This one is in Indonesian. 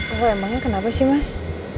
aku emangnya kenapa sih mas